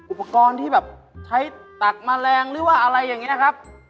อุปกรณ์ที่แบบใช้ตักแมลงหรือว่าอะไรอย่างนี้นะครับ